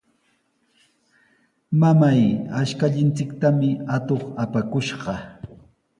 ¡Mamay, ashkallanchiktami atuq apakushqa!